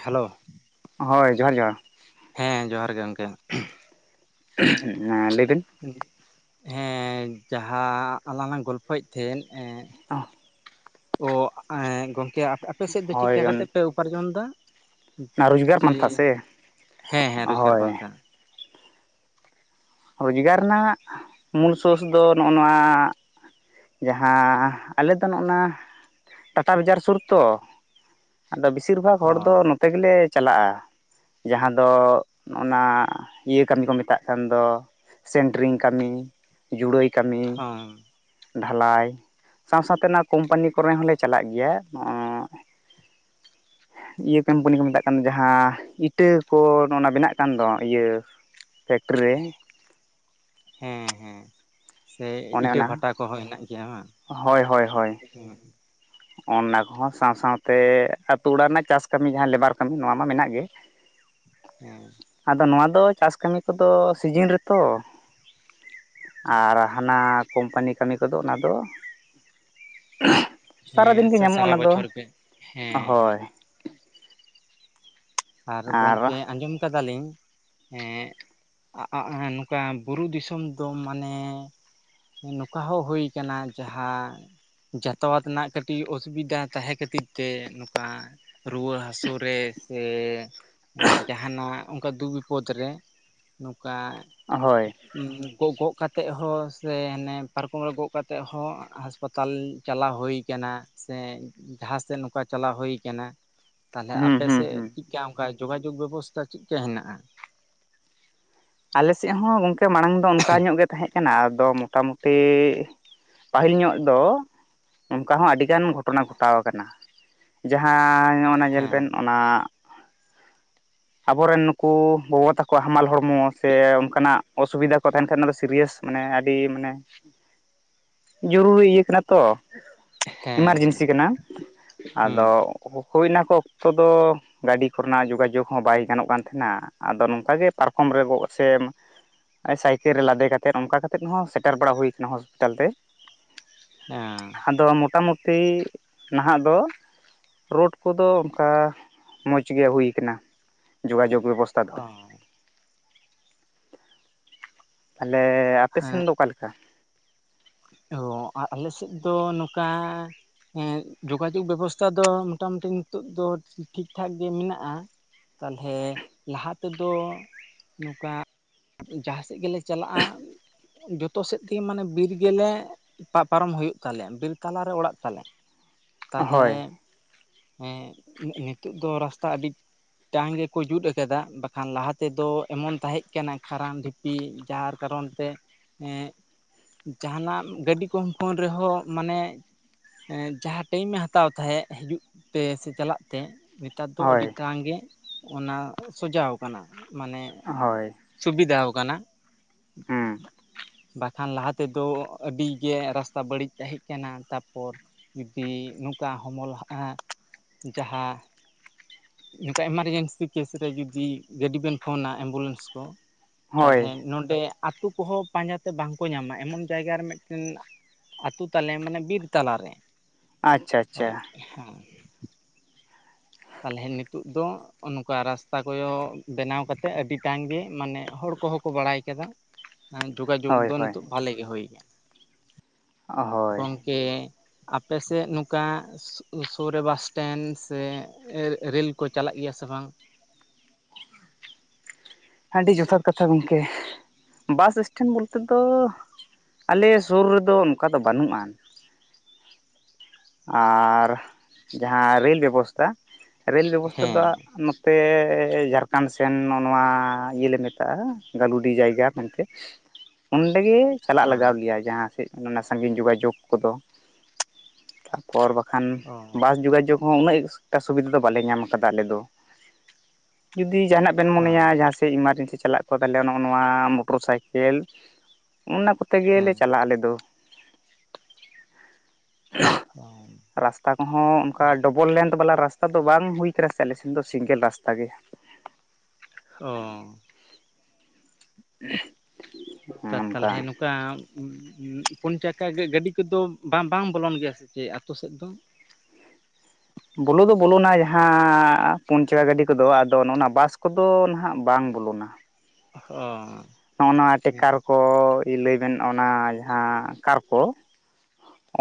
Hello ᱦᱚᱭ ᱡᱚᱦᱟᱨ ᱡᱚᱦᱟᱨ ᱦᱮᱸ ᱡᱚᱦᱟᱨ ᱜᱮ ᱜᱚᱝᱠᱮ ᱾ ᱞᱟᱹᱭ ᱵᱤᱱ ᱦᱮᱸ ᱡᱟᱦᱟᱸ ᱟᱞᱟᱝ ᱞᱟᱝ ᱜᱚᱞᱯᱷᱚᱭᱮᱜ ᱛᱟᱦᱮᱸᱱ ᱮᱸᱻ [unintelligible] ᱚ ᱮᱸ ᱜᱚᱝᱠᱮ ᱟᱯᱮ ᱥᱮᱡ ᱫᱚ ᱪᱮᱜ ᱦᱳᱭ ᱠᱟ ᱠᱟᱛᱮᱜ ᱯᱮ ᱚᱱᱟ ᱩᱯᱟᱨᱡᱚᱱ ᱫᱟ? ᱨᱳᱡᱽᱜᱟᱨ ᱡᱮ ᱯᱟᱱᱛᱷᱟ ᱥᱮ ᱦᱮᱸ ᱦᱮᱸ ᱨᱳᱡᱽᱜᱟᱨ ᱦᱳᱭ ᱯᱟᱱᱛᱷᱟ ᱨᱳᱡᱽᱜᱟᱨ ᱨᱮᱱᱟᱜ ᱢᱩᱞ ᱥᱳᱨᱥ ᱫᱚ ᱱᱚᱜᱚ ᱱᱚᱶᱟ ᱡᱟᱦᱟᱸ ᱟᱞᱮ ᱫᱚ ᱱᱚᱜ-ᱚ ᱱᱟ ᱴᱟᱴᱟ ᱵᱟᱡᱟᱨ ᱥᱩᱨ ᱛᱚ ᱾ ᱟᱫᱚ ᱵᱤᱥᱤᱨ ᱵᱷᱟᱠ ᱚ ᱦᱚᱲ ᱫᱚ ᱱᱚᱛᱮ ᱜᱮᱞᱮ ᱪᱟᱞᱟᱜᱼᱟ ᱾ ᱡᱟᱦᱟᱸ ᱫᱚ ᱚᱱᱟ ᱤᱭᱟᱹ ᱠᱟᱹᱢᱤ ᱠᱚ ᱢᱮᱛᱟᱜ ᱠᱟᱱ ᱫᱚ ᱾ ᱥᱮᱱᱴᱨᱤᱝ ᱠᱟᱹᱢᱤ ᱡᱩᱲᱟᱹᱭ ᱠᱟᱹᱢᱤ ᱦᱚᱸ ᱰᱷᱟᱞᱟᱭ ᱥᱟᱶ ᱥᱟᱶᱛᱮ ᱚᱱᱟ ᱠᱚᱢᱯᱟᱱᱤ ᱠᱚᱨᱮ ᱦᱚᱸᱞᱮ ᱪᱟᱞᱟᱜ ᱜᱮᱭᱟ᱾ [unintelligible] [inaudible] ᱤᱭᱟᱹ ᱠᱳᱢᱯᱟᱱᱤ ᱠᱚ ᱢᱮᱛᱟᱜ ᱠᱟᱱ ᱡᱟᱦᱟᱸ ᱤᱴᱟᱹ ᱠᱚ ᱚᱱᱟ ᱵᱮᱱᱟᱜ ᱠᱟᱱ ᱫᱚ ᱤᱭᱟᱹ ᱯᱷᱮᱠᱴᱨᱤ ᱨᱮ ᱦᱮᱸ ᱦᱮᱸ ᱥᱮ ᱚᱱᱮ ᱤᱴᱟᱹ ᱚᱱᱟ ᱵᱷᱟᱴᱟ ᱠᱚᱦᱚᱸ ᱦᱮᱱᱟᱜ ᱜᱮᱭᱟ ᱵᱟᱝ? ᱦᱳᱭ ᱦᱳᱭ ᱦᱳᱭ [unintelligible] ᱚᱱᱟ ᱠᱚᱦᱚᱸ ᱥᱟᱶ ᱥᱟᱶ ᱛᱮ ᱟᱛᱩ ᱚᱲᱟᱜ ᱨᱮᱱᱟᱜ ᱪᱟᱥ ᱠᱟᱹᱢᱤ ᱡᱟᱦᱟᱸ ᱞᱮᱵᱟᱨ ᱠᱟᱹᱢᱤ ᱱᱚᱣᱟ ᱢᱟ ᱢᱮᱱᱟᱜ ᱜᱮ ᱦᱮᱸ ᱟᱫᱚ ᱱᱚᱣᱟ ᱫᱚ ᱪᱟᱥ ᱠᱟᱹᱢᱤ ᱠᱚ ᱫᱚ ᱥᱤᱡᱤᱱ ᱨᱮᱛᱚ ᱾ ᱟᱨ ᱦᱟᱱᱟ ᱠᱳᱢᱯᱟᱱᱤ ᱠᱟᱹᱢᱤ ᱠᱚᱫᱚ ᱚᱱᱟ ᱫᱚ ᱦᱮᱸ ᱥᱟᱨᱟᱫᱤᱱ ᱜᱮ [unintelligible] ᱧᱟᱢᱚᱜᱼᱟ ᱥᱟᱨᱟ ᱚᱱᱟ ᱫᱚ ᱵᱚᱪᱷᱚᱨ ᱜᱮ ᱦᱮᱸ ᱦᱳᱭ ᱦᱮᱸ ᱾ ᱟᱨ ᱜᱚᱢᱠᱮ ᱟᱸᱡᱚᱢ ᱠᱟᱫᱟᱞᱤᱧ ᱦᱮᱸ ᱟᱜ ᱟᱜ ᱱᱚᱝᱠᱟ ᱵᱩᱨᱩ ᱫᱤᱥᱚᱢ ᱫᱚ ᱢᱟᱱᱮ ᱱᱚᱝᱠᱟ ᱦᱚᱸ ᱦᱩᱭ ᱟᱠᱟᱱᱟ ᱡᱟᱦᱟᱸ ᱡᱚᱛᱚ ᱚᱛ ᱨᱮᱱᱟᱜ ᱠᱟᱹᱴᱤᱡ ᱚᱥᱩᱵᱤᱫᱟ ᱛᱟᱦᱮᱸ ᱠᱷᱟᱹᱛᱤᱨ ᱛᱮ ᱱᱚᱝᱠᱟ ᱨᱩᱣᱟᱹ ᱦᱟᱹᱥᱩ ᱨᱮ ᱥᱮᱻ ᱡᱟᱦᱟᱱᱟᱜ ᱚᱱᱠᱟ ᱫᱩᱠ ᱵᱤᱯᱚᱫᱽ ᱨᱮ ᱱᱚᱝᱠᱟ ᱦᱳᱭ ᱜᱚᱜ ᱜᱚᱜ ᱠᱟᱛ ᱛᱮᱫ ᱦᱚᱸ ᱥᱮ ᱦᱟᱱᱮ ᱯᱟᱨᱠᱚᱢ ᱨᱮ ᱜᱚᱜ ᱠᱟᱛᱮᱫ ᱦᱚᱸ ᱦᱟᱸᱥᱯᱟᱛᱟᱞ ᱪᱟᱞᱟᱣ ᱦᱩᱭ ᱠᱟᱱᱟ ᱾ ᱥᱮ ᱡᱟᱦᱟᱸ ᱥᱮᱱ ᱱᱚᱝᱠᱟ ᱪᱟᱞᱟᱣ ᱦᱩᱭ ᱠᱟᱱᱟ ᱾ ᱛᱟᱸᱦᱚᱞᱮ ᱦᱩᱸ ᱟᱯᱮ ᱦᱩᱸ ᱥᱮᱫ ᱦᱩᱸ ᱪᱮᱠᱟ ᱚᱱᱠᱟ ᱡᱜᱟᱡᱳᱜᱽ ᱵᱮᱵᱚᱥᱛᱷᱟ ᱪᱮᱫ ᱞᱮᱠᱟ ᱦᱮᱱᱟᱜᱼᱟ? ᱟᱞᱮᱥᱮᱫ ᱦᱚᱸ ᱜᱚᱝᱠᱮ ᱢᱟᱲᱟᱝ ᱫᱚ ᱚᱱᱠᱟ ᱧᱚᱜ ᱜᱮ ᱛᱟᱦᱮᱸ ᱠᱟᱱᱟ ᱟᱫᱚ ᱢᱚᱴᱟᱢᱩᱴ ᱴᱤᱻ ᱯᱟᱹᱦᱤᱞ ᱧᱚᱜ ᱫᱚ ᱚᱝᱠᱟ ᱦᱚᱸ ᱟᱹᱰᱤᱜᱟᱱ ᱜᱷᱚᱴᱚᱱᱟ ᱜᱷᱚᱴᱟᱣ ᱟᱠᱟᱱᱟ ᱡᱟᱦᱟᱸ ᱱᱚᱱᱟ ᱧᱮᱞ ᱦᱮᱸ ᱵᱮᱱ ᱚᱱᱟ ᱟᱵᱚᱨᱮᱱ ᱱᱩᱠᱩ ᱜᱚᱜᱚ ᱛᱟᱠᱚ ᱦᱟᱢᱟᱞ ᱦᱚᱲᱢᱚ ᱥᱮ ᱚᱱᱠᱟᱱᱟᱜ ᱚᱥᱩᱵᱤᱫᱷᱟ ᱠᱚ ᱛᱟᱸᱦᱮᱱ ᱠᱷᱟᱱ ᱚᱱᱟ ᱫᱚ ᱥᱤᱨᱤᱭᱟᱥ ᱢᱟᱱᱮ ᱟᱹᱰᱤ ᱢᱟᱱᱮ ᱡᱚᱨᱩᱨᱤ ᱤᱭᱟᱹ ᱠᱟᱱᱟ ᱛᱚ ᱦᱮᱸ ᱦᱮᱸ ᱮᱢᱟᱨᱡᱮᱱᱥᱤ ᱠᱟᱱᱟ ᱟᱫᱚ ᱦᱮᱸ ᱦᱩᱭ ᱱᱟᱠᱚ ᱚᱠᱛᱚ ᱫᱚ ᱜᱟᱹᱰᱤ ᱠᱚᱨᱮᱱᱟᱜ ᱡᱳᱜᱟᱡᱳᱜᱽ ᱦᱚᱸ ᱵᱟᱭ ᱜᱟᱱᱚᱜ ᱠᱟᱱ ᱛᱟᱦᱮᱱᱟ ᱟᱫᱚ ᱱᱚᱝᱠᱟ ᱜᱮ ᱯᱟᱨᱠᱚᱢ ᱨᱮ ᱜᱚᱜ ᱥᱮ ᱥᱟᱭᱠᱮᱞ ᱨᱮ ᱞᱟᱫᱮ ᱠᱟᱛᱮᱫ ᱚᱱᱠᱟ ᱠᱟᱛᱮᱫ ᱦᱚᱸ ᱥᱮᱴᱮᱨ ᱵᱟᱲᱟᱣ ᱦᱩᱭ ᱟᱠᱟᱱᱟ ᱦᱚᱥᱯᱤᱴᱟᱞ ᱛᱮ ᱾ ᱦᱮᱸ ᱟᱫᱚ ᱢᱚᱴᱟ-ᱢᱩᱴᱤ ᱱᱟᱦᱟᱜ ᱫᱚ ᱨᱩᱰ ᱠᱚᱫᱚ ᱚᱱᱠᱟ ᱢᱚᱡᱽ ᱜᱮ ᱦᱩᱭ ᱟᱠᱟᱱᱟ ᱡᱳᱜᱟᱡᱳᱜᱽ ᱵᱮᱵᱚᱥᱛᱟ ᱚᱦᱚ ᱛᱟᱦᱚᱞᱮ ᱦᱮᱸ ᱟᱯᱮᱥᱮᱱ ᱫᱚ ᱚᱠᱟ ᱞᱮᱠᱟ? ᱚ ᱟᱞᱮ ᱥᱮᱫ ᱫᱚ ᱱᱚᱝᱠᱟ ᱦᱮᱸ ᱡᱳᱜᱟ ᱡᱳᱜᱽ ᱵᱮᱵᱚᱥᱛᱷᱟ ᱫᱚ ᱢᱳᱚᱴᱟ-ᱢᱩᱴᱤ ᱱᱤᱛᱚᱜ ᱫᱚ ᱴᱷᱤᱠ ᱴᱷᱟᱠ ᱜᱮ ᱢᱮᱱᱟᱜᱼᱟ᱾ ᱛᱟᱞᱦᱮ ᱞᱟᱦᱟ ᱛᱮᱫᱚ ᱱᱚᱝᱠᱟ ᱡᱟᱦᱟᱸ ᱥᱮᱫ ᱜᱮᱞᱮ ᱪᱟᱞᱟᱜᱼᱟ ᱡᱚᱛᱚ ᱥᱮᱫ ᱛᱮᱜᱮ ᱢᱟᱱᱮ ᱵᱤᱨ ᱜᱮᱞᱮ ᱯᱟᱨᱚᱢ ᱦᱩᱭᱩᱜ ᱛᱟᱞᱮᱭᱟ ᱵᱤᱨ ᱛᱞᱟᱨ ᱨᱮ ᱚᱲᱟᱜ ᱛᱟᱞᱮ ᱛᱟᱞᱦᱮ ᱦᱳᱭ ᱮ ᱦᱮᱸ ᱱᱤᱛᱚᱜ ᱫᱚ ᱨᱟᱥᱛᱟ ᱟᱹᱰᱤ ᱢᱤᱫᱴᱟᱝ ᱜᱮᱠᱚ ᱡᱩᱛ ᱟᱠᱟᱫᱟ ᱵᱟᱠᱷᱟᱱ ᱞᱟᱦᱟ ᱛᱮᱫᱚ ᱮᱢᱚᱱ ᱛᱟᱦᱮᱸ ᱠᱟᱱᱟ ᱠᱷᱟᱨᱟ [unintelligible] ᱠᱤ ᱡᱟ ᱠᱟᱨᱚᱱ ᱛᱮ ᱦᱮᱸ ᱡᱟᱦᱟᱱᱟᱜ ᱜᱟᱹᱰᱤ ᱠᱚ ᱯᱷᱳᱱ ᱨᱮᱦᱚᱸ ᱢᱟᱱᱮ ᱡᱟᱦᱟᱸ ᱴᱟᱭᱤᱢ ᱮ ᱦᱟᱛᱟᱣ ᱛᱟᱦᱮᱸᱫ ᱦᱤᱡᱩᱜ ᱛᱮ ᱥᱮ ᱪᱟᱞᱟᱜ ᱛᱮ ᱱᱮᱛᱟᱨ ᱫᱚ ᱟᱹᱰᱤ ᱦᱳᱭ ᱴᱟᱲᱟᱝ ᱜᱮ ᱚᱱᱟ ᱥᱚᱡᱟᱣ ᱟᱠᱟᱱᱟ ᱢᱟᱱᱮ ᱦᱚᱭ ᱥᱩᱵᱤᱫᱷᱟᱣ ᱠᱟᱱᱟ ᱾ ᱵᱟᱠᱷᱟᱱ ᱞᱟᱦᱟ ᱛᱮᱫᱚ ᱟᱹᱰᱤ ᱜᱮ ᱨᱟᱥᱛᱟ ᱵᱟᱹᱲᱤᱡ ᱛᱟᱦᱮᱸ ᱠᱟᱱᱟ ᱛᱟᱯᱚᱨ ᱠᱤ ᱱᱚᱝᱠᱟ ᱦᱚᱢᱚᱞ ᱦᱟᱜ ᱡᱟᱦᱟᱸ ᱱᱚᱝᱠᱟ ᱮᱢᱟᱨᱡᱮᱱᱥᱤ ᱠᱮᱥ ᱨᱮ ᱡᱩᱫᱤ ᱜᱟᱹᱰᱤ ᱵᱮᱱ ᱯᱷᱳᱱᱟ ᱮᱢᱵᱩᱞᱮᱥ ᱠᱚ ᱦᱳᱭ ᱛᱟᱦᱚᱞᱮ ᱱᱚᱰᱮ ᱟᱹᱛᱩ ᱠᱚᱦᱚᱸ ᱯᱟᱸᱡᱟᱛᱮ ᱵᱟᱝᱠᱚ ᱧᱟᱢᱟ ᱮᱢᱚᱱ ᱡᱟᱭᱜᱟ ᱨᱮ ᱢᱤᱫᱴᱮᱱ ᱟᱹᱛᱩ ᱛᱟᱞᱮ ᱢᱟᱱᱮ ᱵᱤᱨ ᱛᱟᱞᱟᱨᱮ ᱾ ᱟᱪᱪᱷᱟ ᱟᱪᱪᱷᱟ ᱦᱚᱭ ᱦᱮᱸ ᱛᱟᱦᱚᱞᱮ ᱱᱤᱛᱚᱜ ᱫᱚ ᱱᱚᱜ-ᱚ ᱱᱚᱝᱠᱟ ᱨᱟᱥᱛᱟ ᱠᱚᱭᱚᱜ ᱵᱮᱱᱟᱣ ᱠᱟᱛᱮᱜ ᱟᱹᱰᱤᱴᱟᱝ ᱜᱮ ᱢᱟᱱᱮ ᱦᱚᱲ ᱠᱚᱦᱚᱸ ᱠᱚ ᱵᱟᱲᱟᱭ ᱠᱮᱫᱟ ᱾ ᱦᱮᱸ ᱡᱳᱜᱟᱡᱳᱜᱽ ᱦᱳᱭ ᱫᱚ ᱦᱳᱭ ᱱᱤᱛᱚᱜ ᱵᱷᱟᱞᱮ ᱜᱮ ᱦᱩᱭ ᱠᱟᱱᱟ ᱾ ᱦᱚᱭ ᱠᱤ ᱟᱯᱮᱥᱮᱫ ᱱᱚᱝᱠᱟ ᱥᱩᱨ ᱨᱮ ᱵᱟᱥᱴᱮᱱ ᱥᱮ ᱨᱮᱹᱞ ᱠᱚ ᱪᱟᱞᱟᱜ ᱜᱮᱭᱟ ᱥᱮ ᱵᱟᱝ? ᱟᱹᱰᱤ ᱡᱚᱛᱷᱟᱛ ᱠᱟᱛᱷᱟ ᱜᱚᱢᱠᱮ ᱵᱟᱥ-ᱤᱥᱴᱮᱱᱰ ᱵᱚᱞᱛᱮ ᱫᱚ ᱟᱞᱮ ᱥᱩᱨ ᱨᱮᱫᱚ ᱚᱱᱠᱟ ᱫᱚ ᱵᱟᱹᱱᱩᱜ-ᱟ ᱾ ᱟᱨ ᱡᱟᱦᱟᱸ ᱨᱮᱞ ᱵᱮᱵᱚᱥᱛᱟ ᱨᱮᱞ ᱵᱮᱵᱚᱥᱛᱟ ᱦᱮᱸ ᱫᱚ ᱱᱚ ᱛᱮᱻ ᱡᱷᱟᱨᱠᱷᱚᱸᱰ ᱥᱮᱱ ᱱᱚᱣᱟ ᱤᱭᱟᱹᱞᱮ ᱢᱮᱛᱟᱜᱼᱟ ᱜᱟᱹᱞᱩᱰᱤ ᱡᱟᱭᱜᱟ ᱢᱮᱱᱛᱮ ᱚᱸᱰᱮ ᱜᱮ ᱪᱟᱞᱟᱜ ᱦᱮᱸ ᱞᱟᱜᱟᱣ ᱞᱮᱭᱟ ᱡᱟᱦᱟᱸ ᱥᱮᱫ ᱚᱱᱟ ᱥᱟᱺᱜᱤᱧ ᱡᱳᱜᱟᱡᱳᱜᱽ ᱠᱚᱫᱚ ᱾ ᱚᱨ ᱵᱟᱠᱷᱟᱱ ᱚ ᱵᱟᱥ ᱡᱳᱜᱟᱡᱳᱜᱽ ᱦᱚᱸ ᱩᱱᱟᱹᱜ ᱮᱠᱴᱟ ᱥᱩᱵᱤᱫᱷᱟ ᱫᱚ ᱵᱟᱞᱮ ᱧᱟᱢ ᱠᱟᱫᱟ ᱟᱞᱮ ᱫᱚ ᱾ ᱡᱩᱫᱤ ᱡᱟᱦᱟᱱᱟᱜ ᱵᱮᱱ ᱢᱚᱱᱮᱭᱟ ᱡᱟᱦᱟᱸ ᱥᱮᱫ ᱮᱢᱟᱨᱡᱮᱱᱥᱤ ᱪᱟᱞᱟᱜ ᱠᱚ ᱛᱟᱦᱚᱞᱮ ᱱᱚᱜᱚ ᱱᱚᱣᱟ ᱢᱚᱴᱚᱨ ᱥᱟᱭᱠᱮᱞ ᱚᱱᱟ ᱠᱚ ᱛᱮᱜᱮ ᱞᱮ ᱦᱮᱸ ᱪᱟᱞᱟᱜᱼᱟ ᱟᱞᱮᱫ ᱫᱚ ᱦᱮᱸ ᱨᱟᱥᱛᱟ ᱠᱚᱦᱚᱸ ᱚᱱᱠᱟ ᱰᱚᱵᱚᱞ ᱞᱮᱱᱛ ᱵᱟᱞᱟ ᱨᱟᱥᱛᱟ ᱫᱚ ᱵᱟᱝ ᱦᱩᱭ ᱠᱟᱱᱟ ᱥᱮ ᱟᱞᱮ ᱥᱮᱱ ᱫᱚ ᱥᱤᱝᱜᱮᱞ ᱨᱟᱥᱛᱟ ᱜᱮ ᱾ ᱚ [unintelligible] ᱠᱟᱱ ᱛᱟᱦᱚᱞᱮ ᱚᱱᱠᱟ ᱯᱩᱱ ᱪᱟᱠᱟ ᱜᱟᱹᱰᱤ ᱠᱚᱫᱚ ᱵᱟᱝ ᱵᱟᱝ ᱵᱚᱞᱚᱱ ᱜᱮᱭᱟ ᱥᱮ ᱪᱮᱫ ᱟᱛᱳ ᱥᱮᱫ ᱫᱚ? ᱵᱚᱞᱚ ᱫᱚ ᱵᱚᱞᱚᱱᱟ ᱡᱟᱦᱟᱸ ᱯᱩᱱᱪᱟᱠᱟ ᱜᱟᱹᱰᱤ ᱠᱚᱫᱚ ᱟᱫᱚ ᱱᱚᱜᱼᱱᱟ ᱵᱟᱥ ᱠᱚᱫᱚ ᱱᱟᱦᱟᱜ ᱵᱟᱝ ᱵᱚᱞᱚᱱᱟ ᱾ ᱦᱚᱸ ᱱᱚᱜᱱ ᱱᱚᱣᱟ ᱴᱮᱠᱟᱨ ᱠᱚ ᱞᱟᱹᱭ ᱵᱮᱱ ᱚᱱᱟ ᱡᱟᱦᱟᱸ ᱠᱟᱨ ᱠᱚ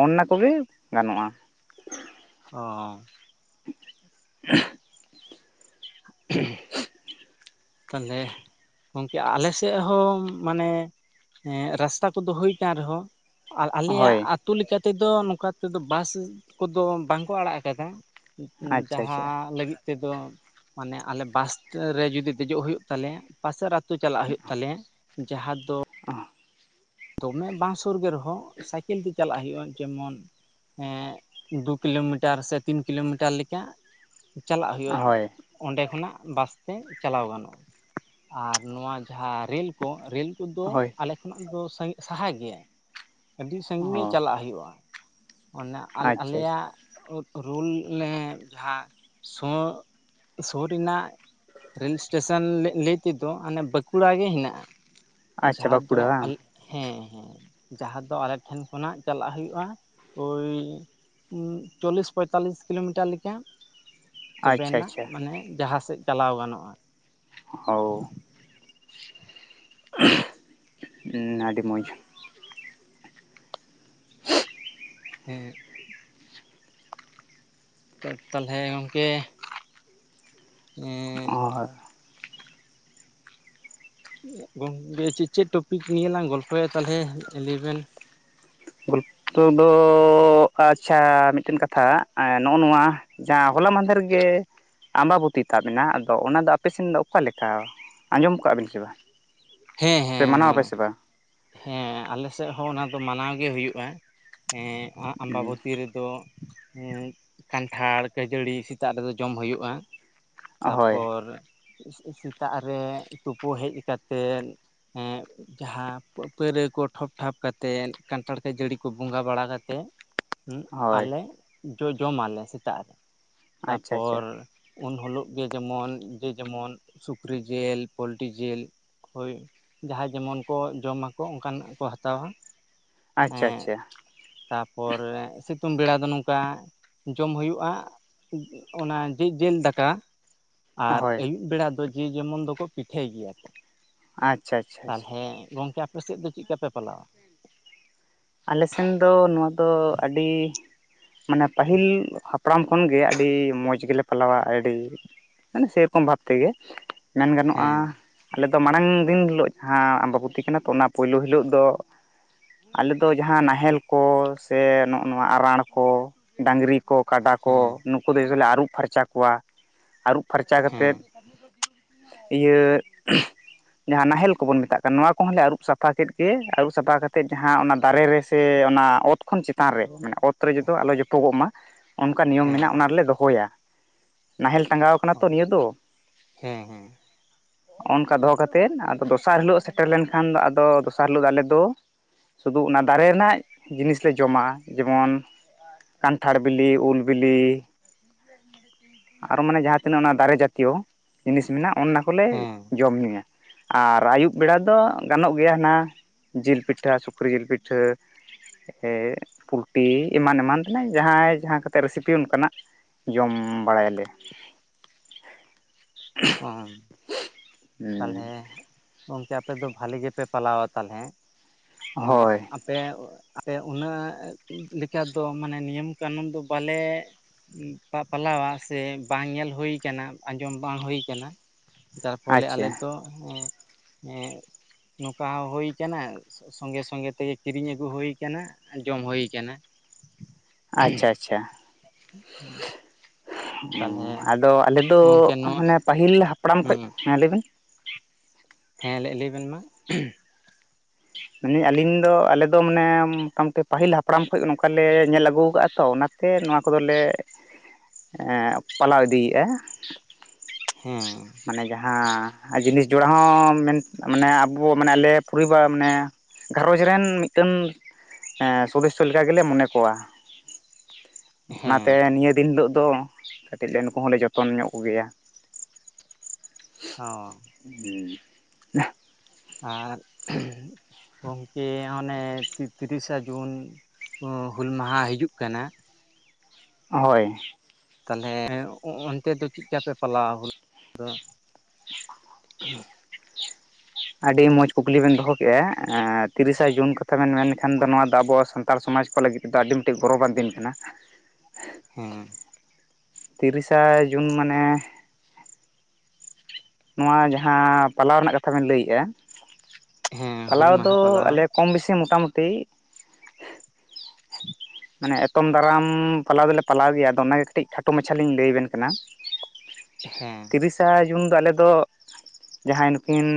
ᱚᱜᱱᱟ ᱠᱚᱜᱮ ᱜᱟᱱᱚᱜᱼᱟ ᱾ ᱚ [unintelligible] [unintelligible] ᱛᱟᱦᱟᱞᱮ ᱜᱚᱝᱠᱮ ᱟᱞᱮᱥᱮᱫ ᱦᱚᱸ ᱢᱟᱱᱮ ᱦᱮᱸ ᱨᱟᱥᱛᱟ ᱠᱚᱫᱚ ᱦᱩᱭ ᱟᱠᱟᱱ ᱨᱮᱦᱚᱸ ᱟᱨ ᱟᱞᱮᱭᱟᱜ ᱦᱳᱭ ᱟᱛᱩ ᱞᱮᱠᱟ ᱛᱮᱫᱚ ᱱᱚᱝᱠᱟ ᱛᱮᱫᱚ ᱵᱟᱥ ᱠᱚᱫᱚ ᱵᱟᱝᱠᱚ ᱟᱲᱟᱜ ᱟᱠᱟᱫᱟ᱾ [unintelligible] ᱟᱪᱪᱷᱟ ᱡᱟᱦᱟᱸ ᱟᱪᱪᱷᱟ ᱞᱟᱹᱜᱤᱫ ᱛᱮᱫᱚ ᱢᱟᱱᱮ ᱟᱞᱮ ᱵᱟᱥ ᱨᱮ ᱡᱩᱫᱤ ᱫᱮᱡᱚᱜ ᱦᱩᱭᱩᱜ ᱛᱟᱞᱮᱭᱟ ᱯᱟᱥᱮᱨ ᱟᱹᱛᱩ ᱪᱟᱞᱟᱜ ᱦᱩᱭᱩᱜ ᱛᱟᱞᱮᱭᱟ ᱡᱟᱦᱟᱸ ᱫᱚ [unintelligible] ᱫᱚᱢᱮ ᱵᱟᱝ ᱥᱩᱨᱜᱮ ᱨᱮᱦᱚᱸ ᱥᱟᱭᱠᱤᱞ ᱜᱤ ᱪᱟᱞᱟᱜ ᱦᱩᱭᱩᱜᱼᱟ ᱡᱮᱢᱚᱱ ᱦᱮᱸ ᱫᱩ ᱠᱤᱞᱚᱢᱤᱴᱟᱨ ᱥᱮ ᱛᱤᱱ ᱠᱤᱞᱚᱢᱤᱴᱟᱨ ᱞᱮᱠᱟ ᱪᱟᱞᱟᱜ ᱦᱩᱭᱩᱜᱼᱟ ᱦᱳᱭ ᱚᱸᱰᱮ ᱠᱷᱚᱱᱟᱜ ᱵᱟᱥᱛᱮ ᱪᱟᱞᱟᱣ ᱜᱟᱱᱚᱜᱼᱟ ᱟᱨ ᱱᱚᱶᱟ ᱡᱟᱦᱟᱸ ᱨᱮᱞ ᱠᱚ ᱨᱮᱞ ᱠᱚ ᱫᱚ ᱦᱳᱭ ᱟᱞᱮ ᱠᱷᱚᱱᱟᱜ ᱫᱚ ᱥᱟᱸ ᱥᱟᱦᱟᱭ ᱜᱮᱭᱟ᱾ ᱟᱹᱰᱤ ᱥᱟᱺᱜᱤᱧ ᱜᱮ ᱚ ᱪᱟᱞᱟᱜ ᱦᱩᱭᱩᱜᱼᱟ ᱚᱱᱟ ᱟᱞ ᱟᱪᱪᱷᱟ ᱟᱪᱪᱷᱟ ᱟᱞᱮᱭᱟᱜ [unintelligible] ᱨᱩᱞ ᱞᱮ ᱡᱟᱦᱟᱸ ᱥᱚ ᱥᱩᱨ ᱨᱮᱱᱟᱜ ᱨᱮᱞ ᱥᱴᱮᱥᱟᱱ ᱞᱮᱜ ᱞᱟᱹᱭ ᱛᱮᱫᱚ ᱦᱟᱱᱮ ᱵᱟᱸᱠᱷᱩᱲᱟ ᱜᱮ ᱦᱮᱱᱟᱜᱼᱟ᱾ ᱟᱪᱪᱷᱟ ᱡᱟᱦᱟᱸ ᱫᱚ ᱵᱟᱸᱠᱩᱲᱟ ᱵᱟᱝ ᱟᱞᱮ ᱦᱮᱸ ᱦᱮᱸ ᱡᱟᱦᱟᱸ ᱫᱚ ᱟᱞᱮ ᱴᱷᱮᱱ ᱠᱷᱚᱱᱟᱜ ᱪᱟᱞᱟᱜ ᱦᱩᱭᱩᱜᱼᱟ ᱚᱭ ᱪᱚᱞᱤᱥ ᱯᱚᱸᱭᱛᱟᱞᱤᱥ ᱠᱤᱞᱚᱢᱤᱴᱟᱨ ᱞᱮᱠᱟ ᱟᱪᱪᱷᱟ ᱛᱚᱵᱮᱭᱟᱱᱟᱜ ᱟᱪᱪᱷᱟ ᱢᱟᱱᱮ ᱡᱟᱦᱟᱸ ᱥᱮᱫ ᱪᱟᱞᱟᱣ ᱜᱟᱱᱚᱜᱼᱟ᱾ ᱦᱚ ᱟᱹᱰᱤ ᱢᱚᱡᱽ [unintelligible] ᱦᱮᱸ [unintelligible] ᱛᱟᱞᱦᱮ ᱜᱚᱝᱠᱮ ᱮᱸᱻ ᱟᱨ ᱜᱚᱝᱠᱮ ᱪᱮᱫ ᱪᱮᱫ ᱴᱚᱯᱤᱠ ᱱᱤᱭᱟ. ᱞᱟᱝ ᱜᱚᱞᱯᱷᱚᱭᱟ ᱛᱟᱦᱞᱮ ᱞᱟ. ᱭᱵᱮᱱ? ᱜᱚᱞᱯᱷᱚ ᱫᱚ ᱟᱪᱷᱟ ᱢᱤᱫᱴᱮᱱ ᱠᱟᱛᱷᱟ ᱱᱚᱜᱼᱚ ᱱᱚᱶᱟ ᱡᱟᱦᱟᱸ ᱦᱚᱞᱟ ᱢᱟᱦᱫᱮᱨ ᱜᱮ ᱟᱢᱵᱟᱵᱩᱛᱤ ᱛᱟᱵ ᱮᱱᱟ ᱟᱫᱚ ᱚᱱᱟᱫᱚ ᱟᱯᱮᱥᱮᱱ ᱫᱚ ᱚᱠᱟᱞᱮᱠᱟ ᱟᱸᱡᱚᱢ ᱟᱠᱟᱜ ᱵᱮᱱ ᱥᱮ ᱵᱟᱝ? ᱦᱮᱸ ᱦᱮᱸ ᱥᱮ ᱢᱟᱱᱟᱣ ᱦᱮᱸ ᱟᱯᱮ ᱥᱮ ᱵᱟᱝ? ᱦᱮᱸ ᱟᱞᱮᱥᱮᱫ ᱦᱚᱸ ᱚᱱᱟ ᱫᱚ ᱢᱟᱱᱟᱣ ᱜᱮ ᱦᱩᱭᱩᱜᱼᱟ ᱮᱸ ᱚᱱᱟ ᱟᱢᱵᱟᱵᱚᱛᱤ ᱨᱮᱫᱚ ᱦᱮᱸ ᱠᱟᱱᱴᱷᱟᱲ ᱠᱷᱟ. ᱡᱟᱹᱲᱤ ᱥᱮᱛᱟᱜ ᱨᱮᱫᱚ ᱡᱚᱢ ᱦᱩᱭᱩᱜᱼᱟ᱾ ᱦᱳᱭ ᱛᱟᱯᱚᱨ ᱥᱮᱛᱟᱜ ᱨᱮ ᱛᱩᱯᱩ ᱦᱮᱡ ᱠᱟᱛᱮᱱ ᱦᱮᱸ ᱡᱟᱦᱟᱸ ᱯᱟᱹᱯᱟᱹᱭ ᱨᱮ ᱠᱚ ᱴᱷᱚᱯ ᱴᱷᱟᱯ ᱠᱟᱛᱮᱱ ᱠᱟᱱᱴᱷᱟᱲ ᱠᱚ ᱡᱟᱹᱲᱤ ᱠᱚ ᱵᱚᱸᱜᱟ ᱵᱟᱲᱟ ᱠᱟᱛᱮᱜ ᱦᱩᱸ ᱦᱳᱭ ᱟᱞᱮ ᱡᱚ ᱡᱚᱢᱟᱞᱮ ᱥᱮᱛᱟᱜ ᱨᱮ ᱟᱪᱪᱷᱟ ᱟᱪᱪᱷᱟ ᱛᱟᱯᱚᱨ ᱩᱱᱦᱚᱞᱚᱜ ᱜᱮ ᱡᱮᱢᱚᱱ ᱡᱮ ᱡᱮᱢᱚᱱ ᱥᱩᱠᱨᱤ ᱡᱤᱞ ᱯᱚᱞᱴᱤ ᱡᱤᱞ ᱦᱳᱭ ᱡᱟᱦᱟᱸᱭ ᱡᱮᱢᱚᱱ ᱠᱚ ᱡᱚᱢ ᱟᱠᱚ ᱚᱱᱠᱟᱱᱟᱜ ᱠᱚ ᱦᱟᱛᱟᱣᱟ ᱦᱟᱸᱜ ᱟᱪᱷᱟ ᱟᱪᱷᱟ ᱛᱟᱯᱚᱨᱮ ᱥᱤᱛᱩᱝ ᱵᱮᱲᱟ ᱫᱚ ᱱᱚᱝᱠᱟ ᱡᱚᱢ ᱦᱩᱭᱩᱜᱼᱟ ᱚᱱᱟ ᱡᱤ ᱡᱤᱞ ᱫᱟᱠᱟ ᱟᱨ ᱦᱳᱭ ᱟᱹᱭᱩᱵ ᱵᱮᱲᱟ ᱫᱚ ᱡᱮ ᱡᱮᱢᱚᱱ ᱫᱚᱠᱚ ᱯᱤᱴᱷᱟᱹᱭ ᱜᱮᱭᱟ ᱠᱚ ᱟᱪᱪᱷᱟ ᱟᱪᱪᱷᱟ ᱟᱪᱪᱷᱟ ᱛᱟᱞᱦᱮ ᱜᱚᱝᱠᱮ ᱟᱯᱮᱥᱮᱫ ᱫᱚ ᱪᱮᱫ ᱞᱮᱠᱟ ᱯᱮ ᱯᱟᱞᱟᱣᱟ? ᱟᱞᱮᱥᱱ ᱫᱚ ᱱᱚᱶᱟ ᱫᱚ ᱟᱹᱰᱤ ᱢᱟᱱᱮ ᱯᱟᱹᱦᱤᱞ ᱦᱟᱯ ᱦᱟᱯᱲᱟᱢ ᱠᱷᱚᱱ ᱜᱮ ᱟᱹᱰᱤ ᱢᱚᱡᱽ ᱜᱮᱞᱮ ᱯᱟᱞᱟᱣᱟ ᱟᱹᱰᱤ ᱢᱟᱱᱮ ᱥᱮᱨᱚᱠᱚᱢ ᱵᱷᱟᱯ ᱛᱮᱜᱮ ᱢᱮᱱ ᱜᱟᱱᱚᱜᱼᱟ ᱦᱮᱸ ᱟᱞᱮᱫᱚ ᱢᱟᱲᱟᱝ ᱫᱤᱱ ᱦᱤᱞᱚᱜ ᱡᱟᱦᱟᱸ ᱟᱢᱵᱟᱵᱩᱛᱤ ᱠᱟᱱᱟ ᱛᱚ ᱚᱱᱟ ᱯᱩᱭᱞᱩ ᱦᱤᱞᱚᱜ ᱫᱚ ᱟᱞᱮᱫᱚ ᱡᱟᱦᱟᱸ ᱱᱟᱦᱮᱞ ᱠᱚ ᱥᱮ ᱱᱚᱜᱼᱚ ᱱᱚᱶᱟ ᱟᱸᱨᱟᱲ ᱠᱚ ᱰᱟᱝᱨᱤ ᱠᱚ ᱠᱟᱰᱟ ᱠᱚ ᱦᱮᱸ ᱱᱩᱠᱩ ᱫᱚ ᱟᱭᱥᱮ ᱞᱮ ᱟᱹᱨᱩᱵ ᱯᱷᱟᱨᱪᱟ ᱠᱚᱣᱟ ᱟᱹᱨᱩᱵ ᱯᱷᱟᱨᱪᱟ ᱦᱮᱸ ᱠᱟᱛᱮᱫ ᱤᱭᱟᱹ ᱡᱟᱦᱟᱸ ᱱᱟᱦᱮᱞ ᱠᱚᱵᱚᱱ ᱢᱮᱛᱟᱜ ᱠᱟᱱ ᱱᱚᱶᱟ ᱠᱚᱦᱚᱸᱞᱮ ᱟᱹᱨᱩᱵ ᱥᱟᱯᱷᱟ ᱠᱮᱫ ᱜᱮ ᱟᱹᱨᱩᱵ ᱥᱟᱯᱷᱟ ᱠᱟᱛᱮᱫ ᱡᱟᱦᱟᱸ ᱦᱟᱸᱜ ᱚᱱᱟ ᱫᱟᱨᱮ ᱨᱮᱥᱮ ᱚᱱᱟ ᱚᱛ ᱠᱷᱚᱱ ᱪᱮᱛᱟᱱ ᱨᱮ ᱢᱟᱱᱮ ᱚᱛ ᱨᱮ ᱡᱚᱫᱚ ᱟᱞᱚ ᱡᱚᱯᱚᱜᱚᱜ ᱢᱟ᱾ ᱚᱱᱠᱟ ᱱᱤᱭᱚᱢ ᱦᱮᱸ ᱢᱮᱱᱟᱜ ᱚᱱᱟ ᱨᱮᱞᱮ ᱫᱚᱦᱚᱭᱟ᱾ ᱱᱟᱦᱮᱞ ᱴᱟᱸᱜᱟᱣ ᱟᱠᱟᱱᱟ ᱛᱚ ᱱᱤᱭᱟᱹ ᱫᱚ᱾ ᱦᱮᱸ ᱦᱮᱸ ᱚᱱᱚᱝᱠᱟ ᱫᱚᱦᱚ ᱠᱟᱮᱫ ᱟᱫᱚ ᱫᱚᱥᱟᱨ ᱦᱤᱞᱳᱜ ᱥᱮᱴᱮᱨ ᱞᱮᱱᱠᱷᱟᱱ ᱫᱚ ᱟᱫᱚ ᱫᱚᱥᱟᱨ ᱦᱤᱞᱚᱜ ᱫᱚ ᱟᱞᱮ ᱫᱚ ᱥᱩᱫᱩ ᱚᱱᱟ ᱫᱟᱨᱮ ᱨᱮᱱᱟᱜ ᱡᱤᱱᱤᱥ ᱞᱮ ᱡᱚᱢᱟ ᱡᱮᱢᱚᱱ ᱠᱟᱱᱴᱷᱟᱲ ᱵᱤᱞᱤ ᱩᱞ ᱵᱤᱞᱤ ᱟᱨᱚ ᱢᱟᱱᱮ ᱡᱟᱦᱟᱸᱛᱤᱱᱟᱹᱜ ᱚᱱᱟ ᱫᱟᱨᱮ ᱡᱟᱛᱤᱭᱚ ᱡᱤᱱᱤᱥ ᱢᱮᱱᱟᱜᱼᱟ ᱚᱱᱟ ᱠᱚᱞᱮ ᱦᱮᱸ ᱡᱚᱢ ᱧᱩᱭᱟ ᱾ ᱟᱨ ᱟᱹᱭᱩᱵ ᱵᱮᱲᱟ ᱫᱚ ᱜᱟᱱᱚᱜ ᱜᱮᱭᱟ ᱱᱟᱦᱟᱜ ᱡᱤᱞ ᱯᱤᱴᱷᱟᱹ ᱥᱩᱠ ᱥᱩᱠᱨᱤ ᱡᱤᱞ ᱯᱤᱴᱷᱟᱹ ᱾ ᱮ ᱯᱳᱞᱴᱤ ᱮᱢᱟᱱ ᱮᱢᱟᱱ ᱛᱮᱱᱟᱜ ᱡᱟᱦᱟᱸᱭ ᱡᱟᱦᱟᱸ ᱠᱟᱛᱮᱫ ᱨᱮᱥᱤᱯᱤ ᱚᱱᱠᱟᱱᱟᱜ ᱡᱚᱢ ᱵᱟᱲᱟᱭᱟ ᱞᱮ [unintelligible] ᱦᱩᱸ ᱛᱟᱞᱦᱮ ᱜᱚᱢᱠᱮ ᱟᱯᱮ ᱫᱚ ᱵᱷᱟᱹᱞᱤ ᱜᱮᱯᱮ ᱯᱟᱞᱟᱣᱟ ᱛᱟᱦᱚᱞᱮ ᱦᱮᱸ ᱦᱳᱭ ᱯᱮ ᱟᱯᱮ ᱩᱱᱟᱹᱜ ᱞᱮᱠᱟ ᱫᱚ ᱢᱟᱱᱮ ᱱᱤᱭᱚᱢ ᱠᱟᱹᱱᱩᱱ ᱫᱚ ᱵᱟᱞᱮ ᱯᱟᱞᱟᱣᱟ ᱥᱮ ᱵᱟᱝ ᱧᱮᱞ ᱦᱩᱭ ᱠᱟᱱᱟ ᱟᱸᱡᱚᱢ ᱵᱟᱝ ᱦᱩᱭ ᱠᱟᱱᱟ ᱾ ᱵᱚᱞᱮ ᱟᱪᱪᱷᱟ ᱟᱞᱮ ᱫᱚ ᱱᱚᱝᱠᱟ ᱦᱩᱭ ᱠᱟᱱᱟ ᱥᱚᱝᱜᱮ ᱥᱚᱝᱜᱮ ᱛᱮᱜᱮ ᱠᱤᱨᱤᱧ ᱟᱹᱜᱩ ᱦᱩᱭ ᱠᱟᱱᱟ ᱡᱚᱢ ᱦᱩᱭ ᱠᱟᱱᱟ ᱾ ᱟᱪᱪᱷᱟ ᱟᱪᱪᱷᱟ ᱛᱟᱦᱚᱞᱮ ᱟᱫᱚ ᱟᱞᱮ ᱫᱚ ᱜᱚᱝᱠᱮ ᱱᱚᱣᱟ ᱢᱟᱱᱮ ᱯᱟᱹᱦᱤᱞ ᱦᱟᱯᱲᱟᱢ ᱠᱷᱚᱱ ᱦᱮᱸ ᱢᱮᱱ ᱞᱮᱵᱮᱱ ᱦᱮᱸ ᱞᱟᱹᱭ ᱞᱟᱹᱭ ᱵᱮᱱ ᱢᱟ ᱢᱮᱱᱟᱱᱮ ᱟᱞᱤᱧ ᱫᱚ ᱟᱞᱮ ᱫᱚ ᱢᱟᱱᱮ ᱢᱚᱴᱟ-ᱢᱩᱴᱤ ᱯᱟᱹᱦᱤᱞ ᱦᱟᱯᱲᱟᱢ ᱠᱷᱚᱱ ᱱᱚᱝᱠᱟ ᱞᱮ ᱧᱮᱞ ᱟᱹᱜᱩ ᱟᱠᱟᱫᱟᱼᱟ ᱛᱚ ᱚᱱᱟ ᱛᱮ ᱱᱚᱣᱟ ᱠᱚᱫᱚ ᱞᱮ ᱯᱟᱞᱟᱣ ᱤᱫᱤᱭᱮᱫᱼᱟ ᱦᱮᱸ ᱢᱟᱱᱮ ᱡᱟᱦᱟᱸ ᱡᱤᱱᱤᱥ ᱡᱚᱲᱟ ᱦᱚᱸ ᱢᱮᱱ ᱢᱟᱱᱮ ᱟᱵᱚ ᱢᱟᱱᱮ ᱟᱞᱮ ᱯᱚᱨᱤᱵᱟᱨ ᱢᱟᱱᱮ ᱜᱷᱟᱨᱚᱡᱽ ᱨᱮᱱ ᱢᱤᱫᱴᱮᱱ ᱥᱚᱫᱚᱥᱚ ᱞᱮᱠᱟ ᱜᱮᱞᱮ ᱢᱚᱱᱮ ᱠᱚᱣᱟ ᱾ ᱦᱮᱸ ᱚᱱᱟᱛᱮ ᱦᱮᱸ ᱱᱤᱭᱟᱹ ᱫᱤᱱ ᱦᱤᱞᱚᱜ ᱫᱚ ᱠᱟᱹᱴᱤᱡ ᱞᱮ ᱱᱩᱠᱩ ᱦᱚᱸᱞᱮ ᱡᱚᱛᱚᱱ ᱧᱚᱜ ᱠᱚᱜᱮᱭᱟ ᱾ ᱦᱚᱸ [unintelligible] ᱟᱨ [unintelligible] ᱜᱚᱝᱠᱮ ᱚᱱᱮ ᱛᱤᱨᱤᱥᱟ ᱡᱩᱱ ᱦᱩᱞ ᱢᱟᱦᱟ ᱦᱤᱡᱩᱜ ᱠᱟᱱᱟ ᱦᱚᱭ ᱛᱟᱦᱞᱮ ᱚᱱᱛᱮ ᱫᱚ ᱪᱮᱫᱠᱟᱯᱮ ᱯᱟᱞᱟᱣ [unintelligible] ᱫᱚ ᱟᱹᱰᱤ ᱢᱚᱡᱽ ᱠᱩᱠᱞᱤ ᱵᱮᱱ ᱫᱚᱦᱚ ᱠᱮᱜᱼᱟ ᱾ ᱛᱤᱨᱤᱥᱟ ᱡᱩᱱ ᱠᱟᱛᱷᱟ ᱵᱮᱱ ᱢᱮᱱ ᱞᱮᱠᱷᱟᱱ ᱫᱚ ᱱᱚᱣᱟ ᱫᱚ ᱟᱵᱚ ᱥᱟᱱᱛᱟᱲ ᱥᱚᱢᱟᱡᱽ ᱠᱚ ᱞᱟᱹᱜᱤᱫ ᱛᱚ ᱟᱹᱰᱤ ᱢᱤᱫ ᱴᱤᱡ ᱜᱚᱨᱚᱵᱟᱱ ᱫᱤᱱ ᱠᱟᱱᱟ ᱾ ᱦᱮᱸ ᱛᱤᱨᱤᱥᱟ ᱡᱩᱱ ᱢᱟᱱᱮ ᱱᱚᱣᱟ ᱡᱟᱦᱟᱸ ᱯᱟᱞᱟᱣ ᱨᱮᱱᱟᱜ ᱠᱟᱛᱷᱟ ᱵᱤᱱ ᱞᱟᱹᱭᱮᱫᱼᱟ ᱦᱮᱸ ᱦᱩᱞ ᱯᱟᱞᱟᱣ ᱢᱟᱦᱟ ᱫᱚ ᱯᱟᱞᱟᱣ ᱟᱞᱮ ᱠᱚᱢ ᱵᱮᱥᱤ ᱢᱚᱴᱟ-ᱢᱩᱴᱤ [inaudible] ᱢᱟᱱᱮ ᱮᱛᱚᱢ ᱫᱟᱨᱟᱢ ᱯᱟᱞᱟᱣ ᱫᱚᱞᱮ ᱯᱟᱞᱟᱣ ᱜᱮᱭᱟ ᱾ ᱟᱫᱚ ᱚᱱᱟ ᱜᱮ ᱠᱟᱹᱴᱤᱡ ᱠᱷᱟᱴᱚ ᱢᱟᱪᱷᱟ ᱞᱤᱧ ᱞᱟᱹᱭ ᱟᱵᱮᱱ ᱠᱟᱱᱟ ᱾ [inaudible] ᱛᱤᱨᱤᱥᱟ ᱡᱩᱱ ᱫᱚ ᱟᱞᱮ ᱫᱚ ᱡᱟᱦᱟᱸᱭ ᱱᱩᱠᱤᱱ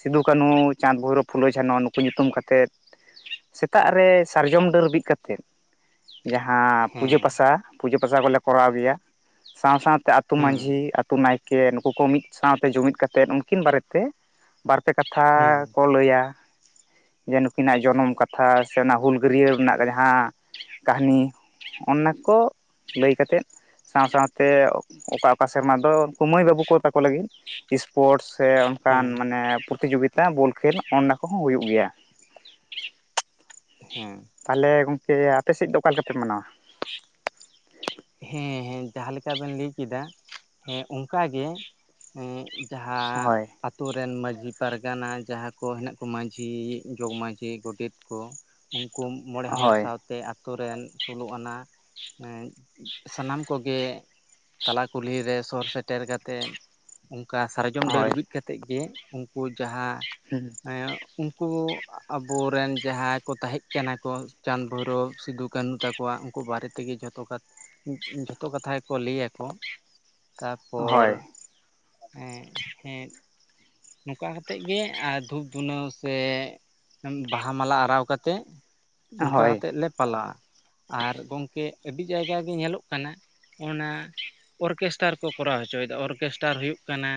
ᱥᱤᱫᱩ-ᱠᱟᱹᱱᱩ, ᱪᱟᱸᱫᱽ-ᱵᱷᱳᱭᱨᱳ, ᱯᱷᱩᱞᱚ-ᱡᱷᱟᱱᱚ ᱱᱩᱠᱩ ᱧᱩᱛᱩᱢ ᱠᱟᱛᱮᱫ ᱥᱮᱛᱟᱜ ᱨᱮ ᱥᱟᱨᱡᱚᱢ ᱰᱟᱹᱨ ᱵᱤᱫ ᱠᱟᱛᱮ ᱡᱟᱦᱟᱸ ᱯᱩᱡᱟᱹ ᱦᱮᱸ ᱯᱟᱥᱟ ᱯᱩᱡᱟᱹ ᱯᱟᱥᱟ ᱠᱚᱞᱮ ᱠᱚᱨᱟᱣ ᱜᱮᱭᱟ ᱥᱟᱶ ᱥᱟᱶᱛᱮ ᱟᱹᱛᱩ ᱦᱩᱸ ᱢᱟᱹᱡᱷᱤ ᱟᱛᱩ ᱱᱟᱭᱠᱮ ᱱᱩᱠᱩ ᱠᱚ ᱢᱤᱫ ᱥᱟᱶᱛᱮ ᱡᱩᱢᱤᱫ ᱠᱟᱛᱮᱫ ᱩᱱᱠᱤᱱ ᱵᱟᱨᱮ ᱛᱮ ᱵᱟᱨ ᱯᱮ ᱠᱟᱛᱷᱟ ᱦᱩᱸ ᱠᱚ ᱞᱟᱹᱭᱟ ᱾ ᱡᱮ ᱱᱩᱠᱤᱱᱟᱜ ᱡᱚᱱᱚᱢ ᱠᱟᱛᱷᱟ ᱥᱮ ᱚᱱᱟ ᱦᱩᱞᱜᱟᱹᱨᱭᱟᱹ ᱨᱮᱱᱟᱜ ᱡᱟᱦᱟᱸ ᱠᱟᱹᱦᱱᱤ ᱚᱱᱟ ᱠᱚ ᱞᱟᱹᱭ ᱠᱟᱛᱮᱫ ᱥᱟᱶ ᱥᱟᱶᱛᱮ ᱚᱠᱟ ᱚᱠᱟ ᱥᱮᱨᱢᱟ ᱫᱚ ᱩᱱᱠᱩ [unintelligible] ᱛᱟᱠᱚ ᱞᱟᱹᱜᱤᱫ ᱥᱯᱳᱨᱴ ᱥᱮ ᱚᱱᱠᱟᱱ ᱦᱮᱸ ᱢᱟᱱᱮ ᱯᱚᱨᱛᱤᱡᱳᱜᱤᱛᱟ ᱵᱚᱞ ᱠᱷᱮᱞ ᱚᱱᱟ ᱠᱚᱦᱚᱸ ᱦᱩᱭᱩᱜ ᱜᱮᱭᱟ ᱾ ᱦᱮᱸ ᱛᱟᱦᱚᱞᱮ ᱜᱚᱝᱠᱮ ᱟᱯᱮ ᱥᱮᱫ ᱫᱚ ᱚᱠᱟ ᱞᱮᱠᱟᱯᱮ ᱢᱟᱱᱟᱣᱟ? ᱦᱮᱸ ᱦᱮᱸ ᱡᱟᱦᱟᱸ ᱞᱮᱠᱟ ᱵᱮᱱ ᱞᱟᱹᱭ ᱠᱟᱫᱟ ᱦᱮᱸ ᱚᱱᱠᱟ ᱜᱮ ᱡᱟᱦᱟᱸ ᱦᱳᱭ ᱟᱛᱳ ᱨᱮᱱ ᱢᱟᱺᱡᱷᱤ ᱯᱟᱨᱜᱟᱱᱟ ᱡᱟᱦᱟᱸ ᱠᱚ ᱦᱮᱱᱟᱜ ᱠᱚ ᱢᱟᱺᱡᱷᱤ ᱡᱚᱜᱽ ᱢᱟᱺᱡᱷᱤ ᱜᱚᱰᱮᱛ ᱠᱚ ᱩᱱᱠᱩ ᱢᱚᱬᱮ ᱦᱚᱲ ᱦᱳᱭ ᱥᱟᱶᱛᱮ ᱟᱛᱳ ᱨᱮᱱ ᱥᱳᱞᱳ ᱟᱱᱟ ᱥᱟᱱᱟᱢ ᱠᱚᱜᱮ ᱛᱟᱞᱟ ᱠᱩᱞᱦᱤ ᱨᱮ ᱥᱚᱨ ᱥᱮᱴᱮᱨ ᱠᱟᱛᱮᱫ ᱚᱱᱠᱟ ᱥᱟᱨᱮᱡ ᱡᱚᱢ ᱰᱟᱹᱨ ᱦᱳᱭ ᱵᱤᱫ ᱠᱟᱛᱮᱫ ᱜᱮ ᱩᱱᱠᱩ ᱡᱟᱦᱟᱸ ᱦᱮᱸ ᱦᱮᱸ ᱩᱱᱠᱩ ᱟᱵᱚᱨᱮᱱ ᱡᱟᱦᱟᱸᱭ ᱠᱚ ᱛᱟᱦᱮᱸᱜ ᱠᱟᱱᱟ ᱠᱚ ᱪᱟᱸᱫᱽ ᱵᱷᱳᱭᱨᱳᱵᱽ ᱥᱤᱫᱩ ᱠᱟᱹᱱᱦᱩ ᱛᱟᱠᱚ ᱠᱚᱣᱟᱜ ᱩᱱᱠᱩ ᱵᱟᱨᱮ ᱛᱮᱜᱮ ᱡᱷᱚᱛᱚ ᱡᱷᱚᱛᱚ ᱠᱟᱛᱷᱟ ᱜᱮᱠᱚ ᱞᱟᱹᱭᱟ ᱠᱚ, ᱛᱟᱯᱚᱨ ᱦᱳᱭ ᱦᱮᱸ ᱦᱮᱸ ᱱᱚᱝᱠᱟ ᱠᱟᱛᱮᱫ ᱜᱮ ᱟᱨ ᱫᱷᱩᱯ ᱫᱷᱩᱱᱟᱹ ᱥᱮ ᱵᱟᱦᱟ ᱢᱟᱞᱟ ᱟᱨᱟᱣ ᱠᱟᱛᱮᱜ ᱱᱚᱝᱠᱟ ᱦᱳᱭ ᱠᱟᱛᱮᱜ ᱞᱮ ᱯᱟᱞᱟᱣᱟ᱾ ᱟᱨ ᱜᱚᱝᱠᱮ ᱟᱹᱰᱤ ᱡᱟᱭᱜᱟ ᱜᱮ ᱧᱮᱞᱚᱜ ᱠᱟᱱᱟ ᱚᱱᱟ ᱚᱨᱠᱮᱥᱴᱟᱨ ᱠᱚ ᱠᱚᱨᱟᱣ ᱚᱪᱚᱭᱮᱫᱟ ᱚᱨᱜᱮᱥᱴᱟᱨ ᱦᱩᱭᱩᱜ ᱠᱟᱱᱟ᱾